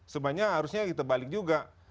sebenarnya harusnya kita balik juga